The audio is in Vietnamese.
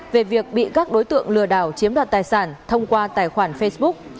về việc bị các đối tượng lừa đảo chiếm đoạt tài sản thông qua tài khoản facebook